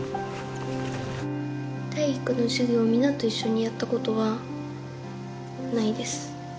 体育の授業をみんなと一緒にやったことはないです